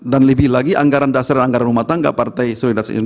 dan lebih lagi anggaran dasar dan anggaran rumah tangga partai psi